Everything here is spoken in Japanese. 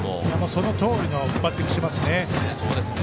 そのとおりのバッティングしていますね。